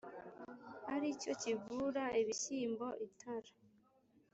ari cyo kivura ibishyimbo itara,